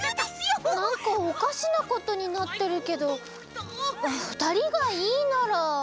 なんかおかしなことになってるけどおふたりがいいなら。